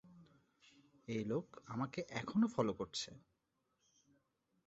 একটা লোক আমাকে এখানে ফলো করছে।